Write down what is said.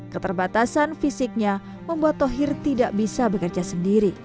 keterbatasan fisiknya membuat tohir tidak bisa bekerja sendiri